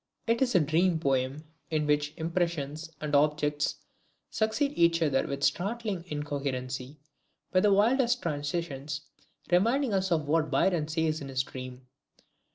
It is a dream poem, in which the impressions and objects succeed each other with startling incoherency and with the wildest transitions, reminding us of what Byron says in his "DREAM